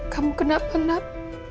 kamu kena penat